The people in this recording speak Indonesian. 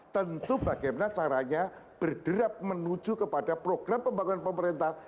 tentu bagaimana caranya berderap menuju kepada program pembangunan pemerintah